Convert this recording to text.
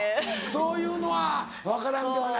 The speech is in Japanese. そういうのは分からんではないけど。